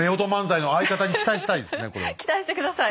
期待して下さい。